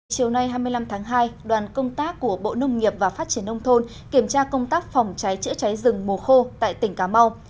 chiều nay hai mươi năm tháng hai đoàn công tác của bộ nông nghiệp và phát triển nông thôn kiểm tra công tác phòng cháy chữa cháy rừng mùa khô tại tỉnh cà mau